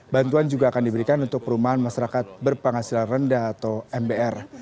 bantuan juga akan diberikan untuk perumahan masyarakat berpenghasilan rendah atau mbr